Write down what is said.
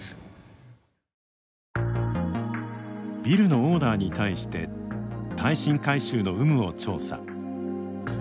ビルのオーナーに対して耐震改修の有無を調査。